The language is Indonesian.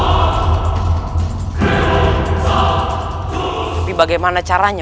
tapi bagaimana caranya